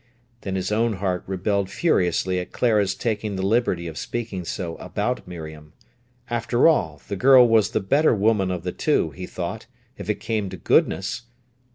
Then his own heart rebelled furiously at Clara's taking the liberty of speaking so about Miriam. After all, the girl was the better woman of the two, he thought, if it came to goodness.